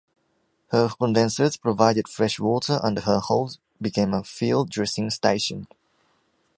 Her condensers provided fresh water and her holds became a field dressing station.